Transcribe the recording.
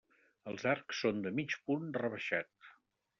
Els arcs són de mig punt rebaixat.